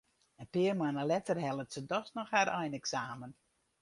In pear moanne letter hellet se dochs noch har eineksamen.